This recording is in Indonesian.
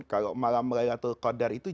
kalau malam laylatul qadar itu